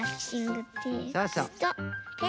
そうそう。